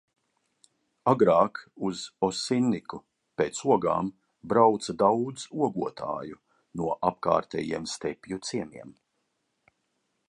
Agrāk uz Osinniku pēc ogām brauca daudz ogotāju no apkārtējiem stepju ciemiem.